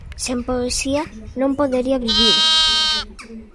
Sen poesía non podería vivir.